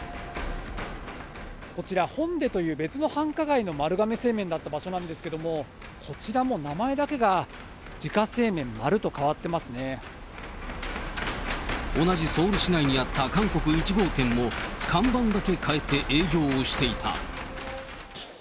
こちら、ホンデという別の繁華街の丸亀製麺だった場所なんですけれども、こちらも名前だけが、同じソウル市内にあった韓国１号店も、看板だけ変えて営業をしていた。